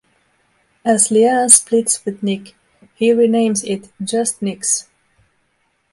As Leanne splits with Nick, he renames it "Just Nick's".